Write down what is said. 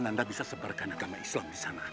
anda bisa sebarkan agama islam di sana